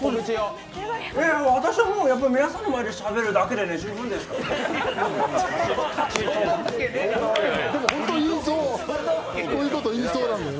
私は皆さんの前でしゃべるだけで十分ですからね。